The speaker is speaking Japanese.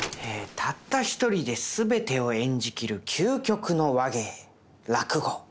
たった一人で全てを演じきる究極の話芸落語。